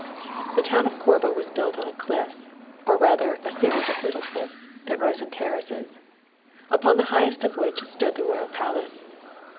The town of Corbo was built on a cliff, or rather a series of little cliffs that rose in terraces, upon the highest of which stood the royal palace.